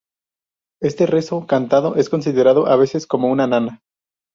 Este rezo cantado es considerado a veces como una nana.